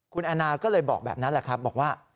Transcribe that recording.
คุณแอนนาก็เลยบอกแบบนั้นแหละครับบอกว่า